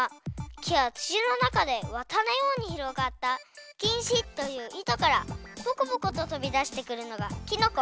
きやつちのなかでわたのようにひろがったきんしといういとからぽこぽこととびだしてくるのがきのこ。